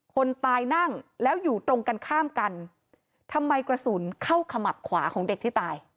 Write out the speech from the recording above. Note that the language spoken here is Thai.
คนตายนั่งแล้วอยู่ตรงกันข้ามกันทำไมกระสุนเข้าขมับขวาของเด็กที่ตาย